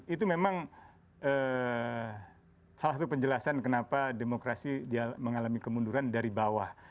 itu memang salah satu penjelasan kenapa demokrasi mengalami kemunduran dari bawah